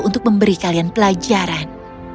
untuk memberi kalian pelajaran